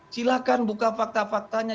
silahkan buka fakta faktanya